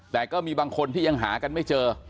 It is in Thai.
แต่ก็มีบางคนที่ยังหากันไม่เจอ